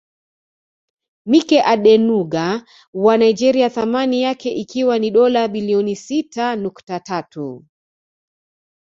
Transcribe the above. Mike Adenuga wa Nigeria thamani yake ikiwa ni dola bilioni sita nukta tatu